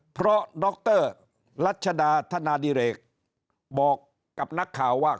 เพราะดรรัชดาธนาดิเรกบอกกับนักข่าวว่า